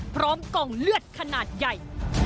พร้อมกล่องเลือดขนาดใหญ่